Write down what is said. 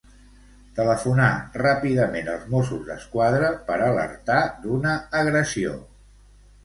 Telefonar ràpidament als Mossos d'Esquadra per alertar d'una agressió.